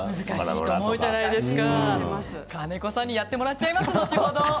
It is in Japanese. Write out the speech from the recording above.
金子さんに後ほどやってもらっちゃいます。